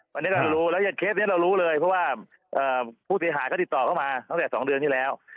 วันนี้เรารู้แล้วอย่างเคสนี้เรารู้เลยเพราะว่าผู้เสียหายก็ติดต่อเข้ามาตั้งแต่๒เดือนที่แล้ว